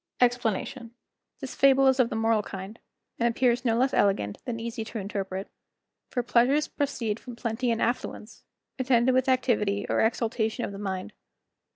EXPLANATION.—This fable is of the moral kind, and appears no less elegant than easy to interpret. For pleasures proceed from plenty and affluence, attended with activity or exultation of the mind.